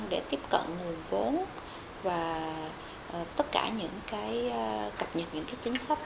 để tiếp cận nguồn vốn và tất cả những cái cập nhật những cái chính sách